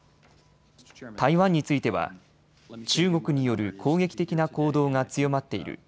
台湾については中国による攻撃的な行動が強まっている。